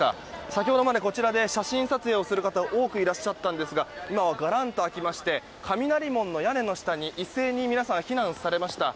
先ほどまでこちらで写真撮影をする方多くいらっしゃったんですが今はがらんと空きまして雷門の屋根の下に一斉に皆さん避難されました。